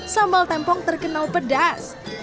sambal tempong terkenal pedas